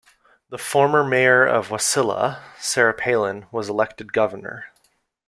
The former mayor of Wasilla, Sarah Palin, was elected governor.